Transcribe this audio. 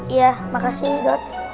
iya makasih dod